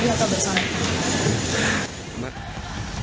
ada juga seluruh sapi atau bersama